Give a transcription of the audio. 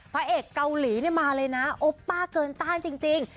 พระเอกเกาหลีมาเลยนะโอป้าเกินต้านจริง